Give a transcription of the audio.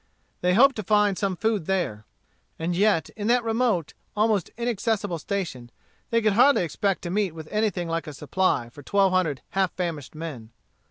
They hoped to find some food there. And yet, in that remote, almost inaccessible station, they could hardly expect to meet with anything like a supply for twelve hundred half famished men.